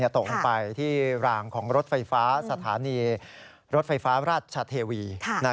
ตกลงไปที่รางของรถไฟฟ้าสถานีรถไฟฟ้าราชเทวี